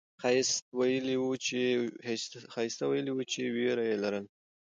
ښایسته ویلي وو چې ویره یې لرله.